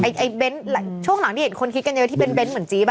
ซึ่งคนคิดง่ายว่าเป็นเบ้นเบ้นเหมือนจีบอ่ะ